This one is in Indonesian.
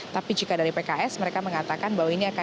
tapi jika dari pks mereka mengatakan bahwa ini akan